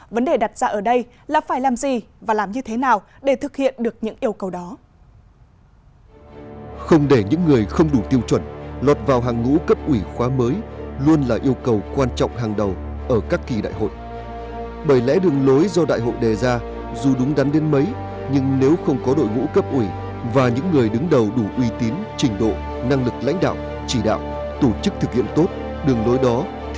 vấn đề đặt ra ở đây là phải làm gì và làm như thế nào để thực hiện được những yêu cầu đó